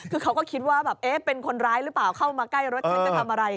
คือเขาก็คิดว่าแบบเอ๊ะเป็นคนร้ายหรือเปล่าเข้ามาใกล้รถฉันจะทำอะไร